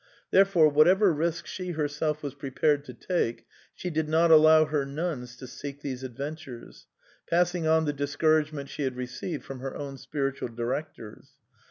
Therefore, whatever risk she herself was prepared to take, she did not allow her nuns to seek these adventures — passing on the discouragement she had received from her own spiritual directors.